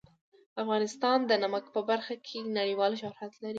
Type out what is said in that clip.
افغانستان د نمک په برخه کې نړیوال شهرت لري.